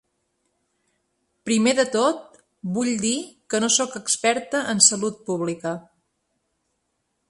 Primer de tot, vull dir que no sóc experta en salut pública.